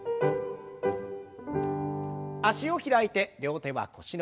脚を開いて両手は腰の横に。